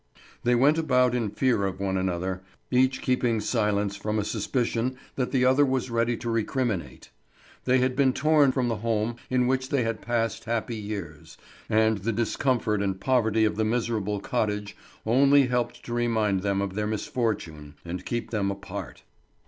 They went about in fear of one another, each keeping silence from a suspicion that the other was ready to recriminate. They had been torn from the home in which they had passed happy years, and the discomfort and poverty of the miserable cottage only helped to remind them of their misfortune and keep them apart.